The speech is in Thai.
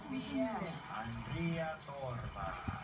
ข้อมูลเข้ามาดูครับ